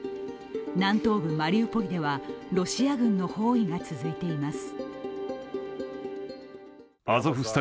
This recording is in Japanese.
南東部マリウポリではロシア軍の包囲が続いています。